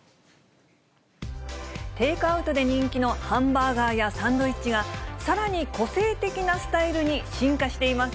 テイクアウトで人気のハンバーガーやサンドイッチが、さらに個性的なスタイルに進化しています。